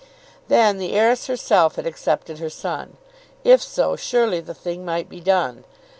Then the heiress herself had accepted her son! If so, surely the thing might be done.